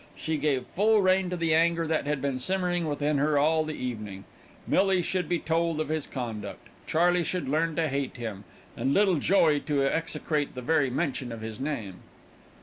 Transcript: She gave full rein to the anger that had been simmering within her all the evening. Millie should be told of his conduct. Charley should learn to hate him, and Little Joey to execrate the very mention of his name.